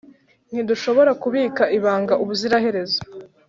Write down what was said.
ntidushobora kubika ibanga ubuziraherezo